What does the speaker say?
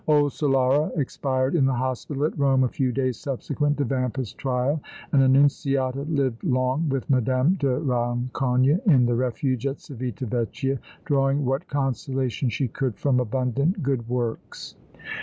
Old Solara expired in the hospital at Rome a few days subsequent to Vampa's trial, and Annunziata lived long with Mme. de Rancogne in the Refuge at Civita Vecchia, drawing what consolation she could from abundant good works.